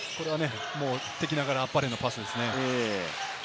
敵ながら、あっぱれなパスです。